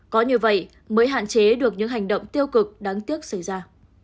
có như vậy mới hạn chế được những hành động tiêu cực đáng tiếc xảy ra